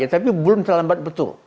tapi belum terlambat betul